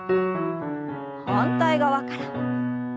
反対側から。